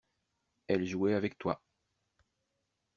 Elle jouait avec toi.